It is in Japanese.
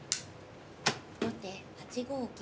後手８五銀。